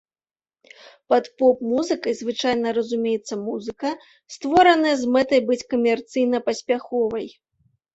Пад поп-музыкай звычайна разумеецца музыка, створаная з мэтай быць камерцыйна паспяховай.